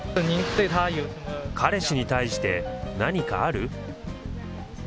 彼氏に対して何かある？